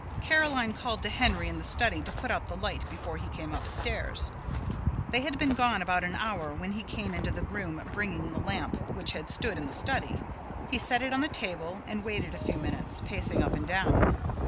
Caroline called to Henry in the study to put out the light before he came upstairs. They had been gone about an hour when he came into the room bringing the lamp which had stood in the study. He set it on the table, and waited a few minutes, pacing up and down.